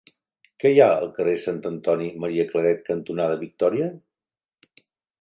Què hi ha al carrer Sant Antoni Maria Claret cantonada Victòria?